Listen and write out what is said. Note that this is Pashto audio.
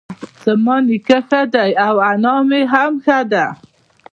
زما نيکه ښه دی اؤ انا مي هم ښۀ دۀ